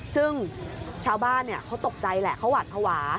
ซึ่งชาวบ้านเขาตกใจแหละเขาหวาดภาวะ